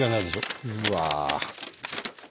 うわ。